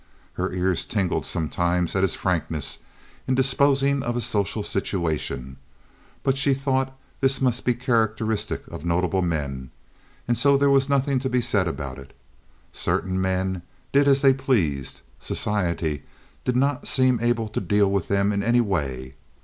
Her ears tingled sometimes at his frankness in disposing of a social situation; but she thought this must be characteristic of notable men, and so there was nothing to be said about it. Certain men did as they pleased; society did not seem to be able to deal with them in any way.